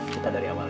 kita dari awal ya